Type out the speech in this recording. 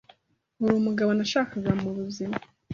Uri umugabo nashakaga mu buzima .